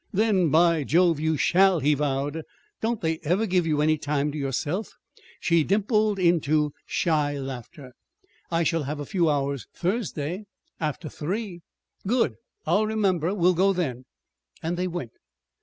"Then, by Jove, you shall!" he vowed. "Don't they ever give you any time to yourself?" She dimpled into shy laughter. "I shall have a few hours Thursday after three." "Good! I'll remember. We'll go then." And they went.